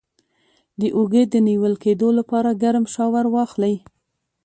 د اوږې د نیول کیدو لپاره ګرم شاور واخلئ